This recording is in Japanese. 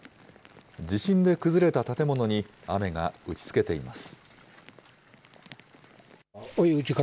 地震で崩れた建物に雨が打ちつけています。